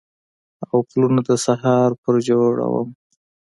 او پلونه د سهار پر جوړمه